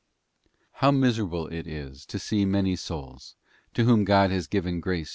How miserable it is to see many souls, to whom God has given grace to 1.